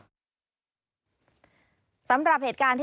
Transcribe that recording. ฟังเสียงอาสามูลละนิทีสยามร่วมใจ